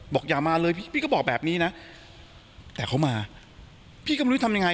อย่ามาเลยพี่พี่ก็บอกแบบนี้นะแต่เขามาพี่ก็ไม่รู้ทำยังไง